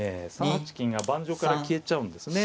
３八金が盤上から消えちゃうんですね。